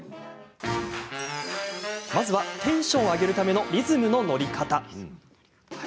まずはテンションを上げるためのリズムの乗り方。